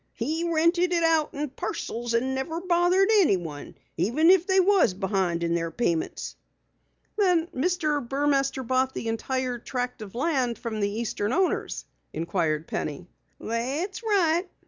He rented it out in parcels, an' never bothered anyone even if they was behind in their payments." "Then Mr. Burmaster bought the entire track of land from the Eastern owner?" inquired Penny. "That's right.